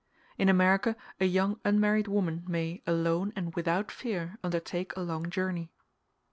In America a young unmarried woman may, alone and without fear, undertake a long journey.